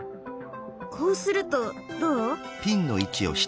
こうするとどう？